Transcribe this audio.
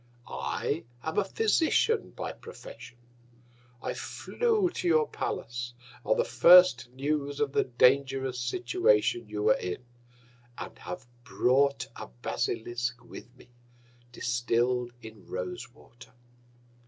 I am a Physician by Profession. I flew to your Palace, on the first News of the dangerous Situation you were in, and have brought a Basilisk with me, distill'd in Rose Water.